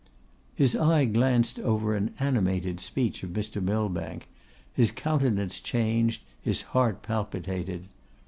His eye glanced over an animated speech of Mr. Millbank, his countenance changed, his heart palpitated.